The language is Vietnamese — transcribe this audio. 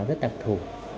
rất đặc thù